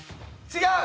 違う。